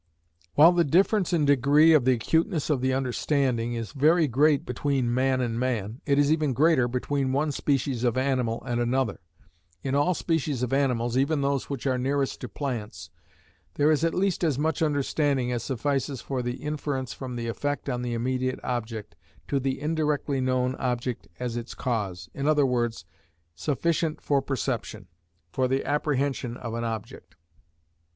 While the difference in degree of the acuteness of the understanding, is very great between man and man, it is even greater between one species of animal and another. In all species of animals, even those which are nearest to plants, there is at least as much understanding as suffices for the inference from the effect on the immediate object, to the indirectly known object as its cause, i.e., sufficient for perception, for the apprehension of an object.